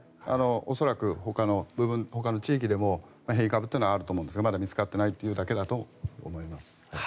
恐らくほかの地域でも変異株というのはあると思いますがまだ見つかっていないというだけだと思います。